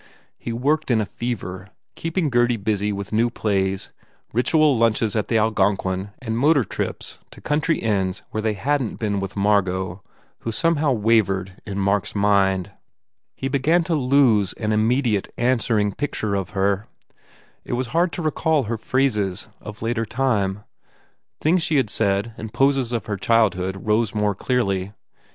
He worked in a fever, keeping Gurdy busy with new plays, ritual lunches at the Algon quin and motor trips to country inns where they hadn t been with Margot who somehow wavered in Mark s mind. He began to lose an immediate, 281 THE FAIR REWARDS answering picture of her. It was hard to recall her phrases of later time. Things she had said and poses of her childhood rose more clearly.